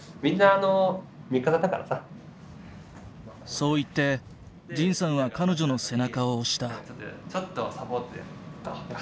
そう言って仁さんは彼女の背中を押した。